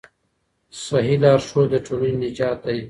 صحيح لارښود د ټولني نجات دی.